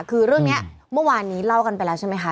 คือเรื่องนี้เมื่อวานนี้เล่ากันไปแล้วใช่ไหมคะ